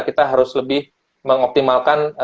kita harus lebih mengoptimalkan